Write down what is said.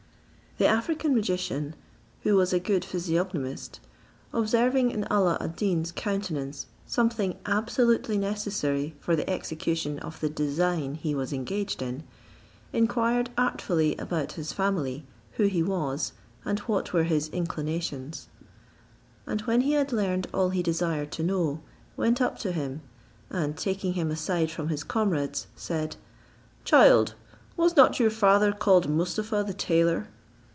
The African magician, who was a good physiognomist, observing in Alla ad Deen's countenance something absolutely necessary for the execution of the design he was engaged in, inquired artfully about his family, who he was, and what were his inclinations; and when he had learned all he desired to know, went up to him, and taking him aside from his comrades, said, "Child, was not your father called Mustapha the tailor?"